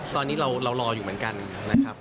ตอนนี้เรารออยู่เหมือนกันนะครับ